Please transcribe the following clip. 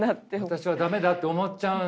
私は駄目だって思っちゃうんだ？